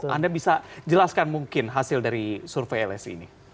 anda bisa jelaskan mungkin hasil dari survei lsi ini